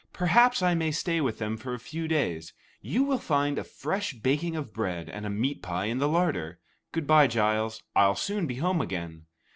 Perhaps I may stay with them for a few days. You will find a fresh baking of bread and a meat pie in the larder. Good bye, Giles; I'll soon be home again."